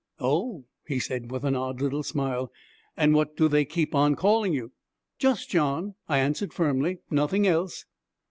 'Oh,' he said, with an odd little smile, 'and what do they keep on calling you?' 'Just John,' I answered firmly, 'nothing else.'